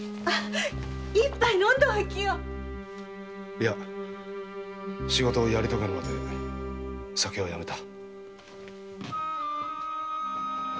いや仕事をやり遂げるまで酒はやめた。